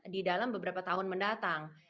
di dalam beberapa tahun mendatang